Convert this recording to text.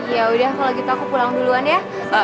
yaudah kalau gitu aku pulang duluan ya